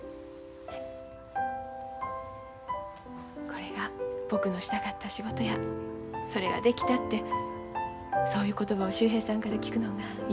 これが僕のしたかった仕事やそれができたってそういう言葉を秀平さんから聞くのんが一番うれしい。